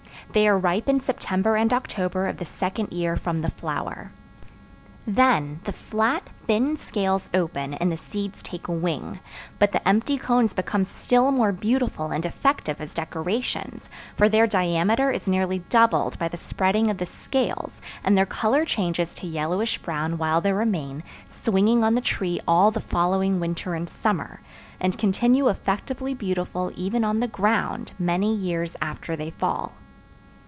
They are ripe in September and October of the second year from the flower. Then the flat, thin scales open and the seeds take wing, but the empty cones become still more beautiful and effective as decorations, for their diameter is nearly doubled by the spreading of the scales, and their color changes to yellowish brown while they remain, swinging on the tree all the following winter and summer, and continue effectively beautiful even on the ground many years after they fall.